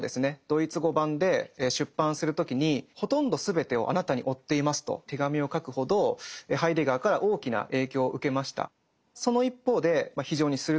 ドイツ語版で出版する時に「ほとんどすべてをあなたに負っています」と手紙を書くほどハイデガーから大きな影響を受けました。